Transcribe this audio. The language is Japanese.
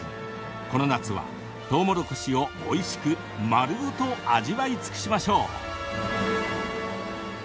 この夏はとうもろこしをおいしく丸ごと味わい尽くしましょう。